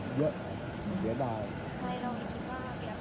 ใจเรามีที่ว่าเกลียดไปเร็วดูค่ะ